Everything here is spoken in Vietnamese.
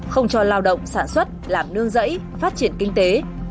không cho lao động sản xuất làm nương rẫy phát triển kinh tế